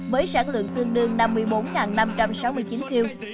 với sản lượng tương đương năm mươi bốn năm trăm sáu mươi chín tiêu